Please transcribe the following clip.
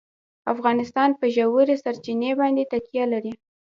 افغانستان په ژورې سرچینې باندې تکیه لري.